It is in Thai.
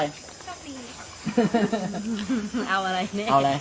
นี่เห็นจริงตอนนี้ต้องซื้อ๖วัน